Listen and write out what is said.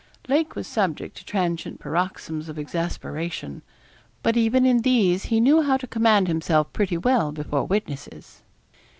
Lake was subject to transient paroxysms of exasperation; but even in these be knew how to command himself pretty well before witnesses.